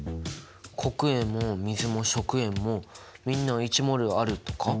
黒鉛も水も食塩もみんな１ｍｏｌあるとか？